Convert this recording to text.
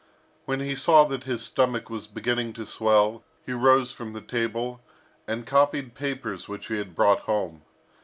When he saw that his stomach was beginning to swell, he rose from the table, and copied papers which he had brought home.